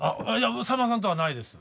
さんまさんとはないです。